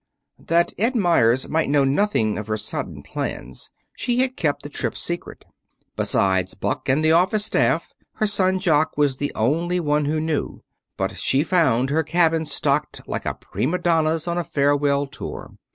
That Ed Meyers might know nothing of her sudden plans, she had kept the trip secret. Besides Buck and the office staff, her son Jock was the only one who knew. But she found her cabin stocked like a prima donna's on a farewell tour.